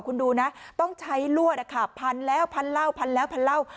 คุณดูนะต้องใช้ลวดพันแล้วพันเหล้าพันแล้วพันเหล้า